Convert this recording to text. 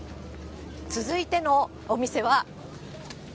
続いてのお店は。